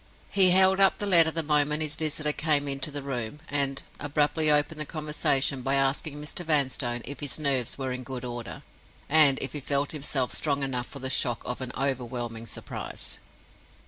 He held up the letter the moment his visitor came into the room, and abruptly opened the conversation by asking Mr. Vanstone if his nerves were in good order, and if he felt himself strong enough for the shock of an overwhelming surprise.